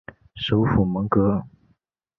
首府蒙戈。